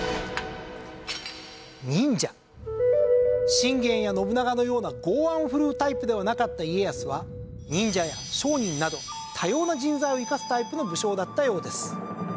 信玄や信長のような豪腕を振るうタイプではなかった家康は忍者や商人など多様な人材を生かすタイプの武将だったようです。